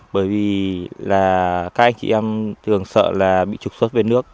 bởi vì là các anh chị em thường sợ là bị trục xuất về nước